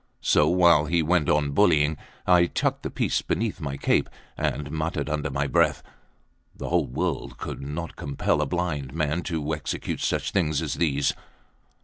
So, while he went on bullying, I tucked the piece beneath my cape, and muttered under my breath: "The whole world could not compel a blind man to execute such things as these."